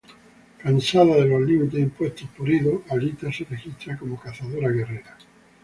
Cansada de los límites impuestos por Ido, Alita se registra como Cazadora-Guerrera.